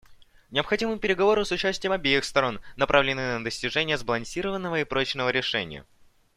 Необходимы переговоры с участием обеих сторон, направленные на достижение сбалансированного и прочного решения.